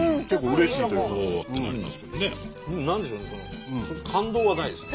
何でしょうね